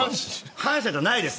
反社じゃないです。